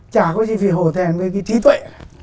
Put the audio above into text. chả có gì phải hổ thèn với cái trí tuệ